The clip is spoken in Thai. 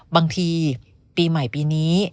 บางทีปีใหม่ปีนี้